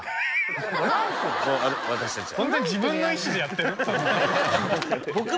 私たちは。